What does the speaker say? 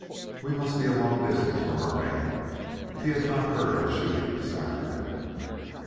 "We must be a long distance from our man if he has not heard our shooting this afternoon."